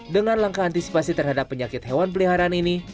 dengan langkah antisipasi terhadap penyakit hewan peliharaan ini